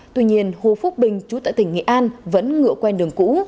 tuy nhiên hồ phúc bình chú tại tỉnh nghệ an vẫn ngựa quen đường cũ